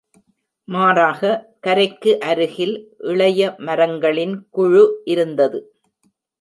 மாறாக, கரைக்கு அருகில் இளைய மரங்களின் குழு இருந்தது.